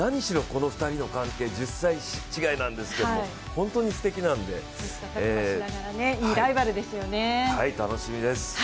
この２人の関係、１０歳違いなんですけど本当にすてきなんで楽しみです。